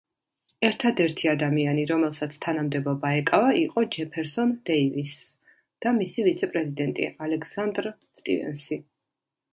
ერთადერთი ადამიანი რომელსაც თანამდებობა ეკავა იყო ჯეფერსონ დეივისს და მისი ვიცე-პრეზიდენტი ალექსანდრ სტივენსი.